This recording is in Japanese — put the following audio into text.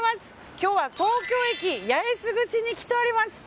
今日は東京駅八重洲口に来ております。